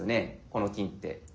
この金って。